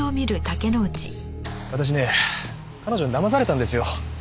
私ね彼女にだまされたんですよ。